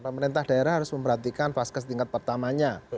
pemerintah daerah harus memperhatikan vaskes tingkat pertamanya